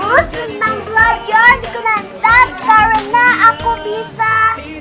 aku senang belajar di kulantai karena aku bisa bermain